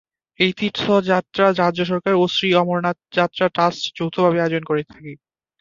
এই তীর্থ যাত্রা রাজ্য সরকার ও শ্রী অমরনাথ যাত্রা ট্রাস্ট যৌথ ভাবে আয়োজন করে থাকে।